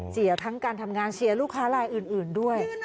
เสียทั้งการทำงานเสียลูกค้าลายอื่นด้วย